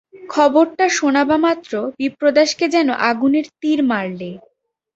খবরটা শোনবামাত্র বিপ্রদাসকে যেন আগুনের তীর মারলে।